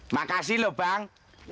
makasih loh bang